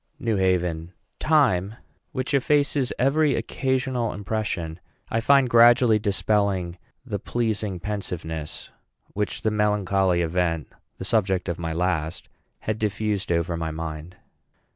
NEW HAVEN. Time, which effaces every occasional impression, I find gradually dispelling the pleasing pensiveness which the melancholy event, the subject of my last, had diffused over my mind.